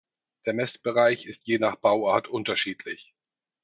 Der Messbereich ist je nach Bauart unterschiedlich.